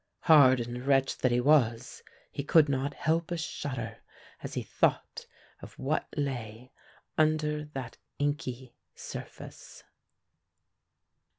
Hardened wretch that he was, he could not help a shudder as he thought of what lay under that inky surface.